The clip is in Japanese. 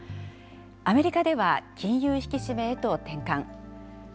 アメリカでは金融引き締めへと転換。